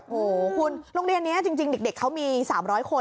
โอ้โหคุณโรงเรียนนี้จริงเด็กเขามี๓๐๐คน